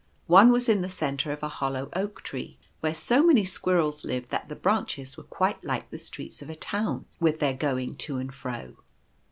One was in the centre of a hollow Oak tree, where so many squirrels lived that the branches were quite like the streets of a town, with their going to and fro.